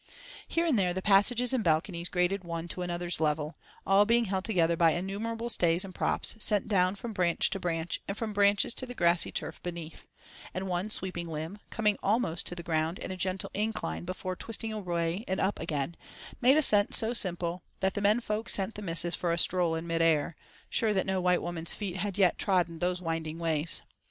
Here and there the passages and balconies graded one to another's level, all being held together by innumerable stays and props, sent down from branch to branch, and from branches to the grassy turf beneath; and one sweeping limb, coming almost to the ground in a gentle incline before twisting away and up again, made ascent so simple that the men folk sent the missus for a "stroll in midair," sure that no white woman's feet had yet trodden those winding ways.